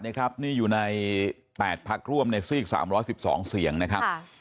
นี่อยู่ใน๘พักร่วมในซีก๓๑๒เสียงนะครับ